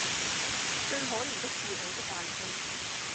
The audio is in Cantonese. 最可憐的是我的大哥，